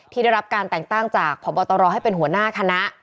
ได้รับการแต่งตั้งจากพบตรให้เป็นหัวหน้าคณะ